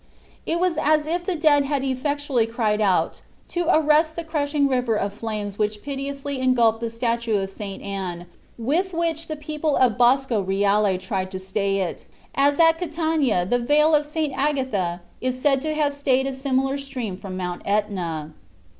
It was as if the dead had effectually cried out to arrest the crushing river of flames which pitilessly engulfed the statue of St. Anne with which the people of Bosco Reale tried to stay it, as at Catania the veil of St. Agathe is said to have stayed a similar stream from Mount Etna.